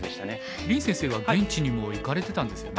林先生は現地にも行かれてたんですよね？